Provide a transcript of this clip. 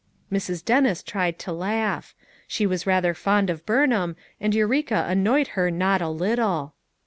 Mrs. Dennis tried to laugh; she was rather fond of Burnham, and Eureka annoyed her not a little.